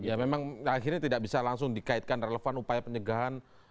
ya memang akhirnya tidak bisa langsung dikaitkan relevan upaya pencegahan